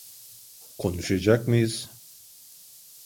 Konuşacak mıyız?